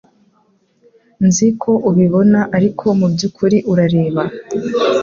Nzi ko ubibona, ariko mubyukuri urareba?